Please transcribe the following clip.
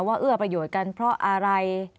เอื้อประโยชน์กันเพราะอะไร